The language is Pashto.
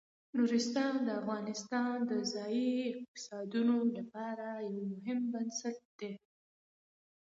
نورستان د افغانستان د ځایي اقتصادونو لپاره یو مهم بنسټ دی.